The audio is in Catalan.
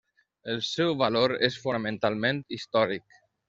El seu valor és fonamentalment històric.